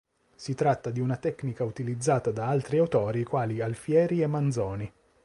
Si tratta di una tecnica utilizzata da altri autori quali Alfieri e Manzoni.